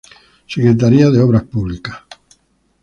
Secretaría de Obras Públicas.